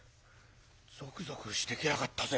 ゾクゾクしてきやがったぜ！